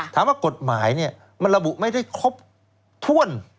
ถามว่ากฎหมายมันระบุไม่ได้ครบถ้วน